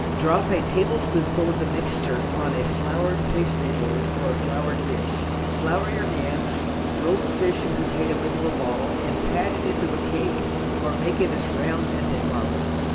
Drop a tablespoonful of the mixture on a floured pastry board, or a floured dish. Flour your hands, roll the fish and potato into a ball, and pat it into a cake, or make it as round as a marble.